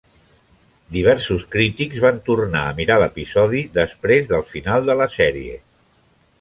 Diversos crítics van tornar a mirar l'episodi després del final de la sèrie.